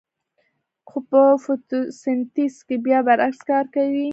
خو په فتوسنتیز کې بیا برعکس کار کوي